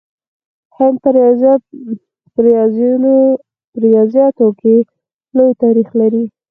هند په ریاضیاتو کې لوی تاریخ لري.